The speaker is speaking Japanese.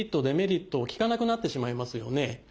デメリットを聞かなくなってしまいますよね。